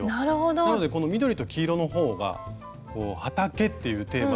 なのでこの緑と黄色のほうが畑っていうテーマで作りました。